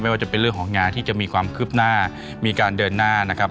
ว่าจะเป็นเรื่องของงานที่จะมีความคืบหน้ามีการเดินหน้านะครับ